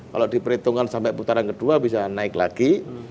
kalau diperhitungkan sampai putaran kedua bisa naik lagi